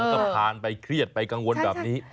แล้วก็ผ่านไปเครียดไปกังวลแบบนี้